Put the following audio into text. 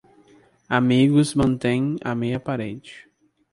Amigos mantêm a meia parede.